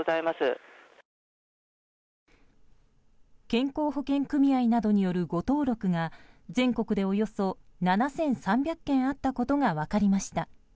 健康保険組合などによる誤登録が全国でおよそ７３００件あったことが分かりました。